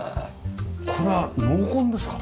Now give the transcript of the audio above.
これは濃紺ですか？